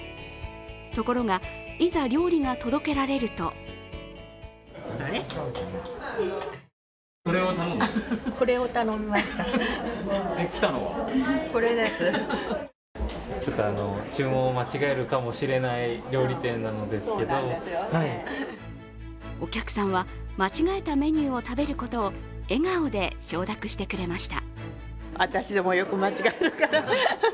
ところが、いざ料理が届けられるとお客さんは間違えたメニューを食べることを笑顔で承諾してくれました。